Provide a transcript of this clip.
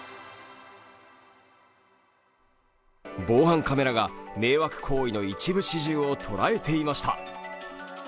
防犯カメラが迷惑行為の一部始終を捉えていました。